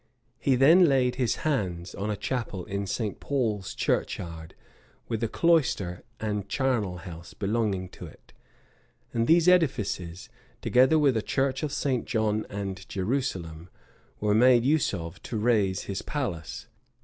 He then laid his hands on a chapel in St. Paul's churchyard, with a cloister and charnel house belonging to it; and these edifices, together with a church of St. John of Jerusalem, were made use of to raise his palace.